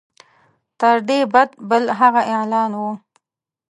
تر دې بد بل هغه اعلان وو.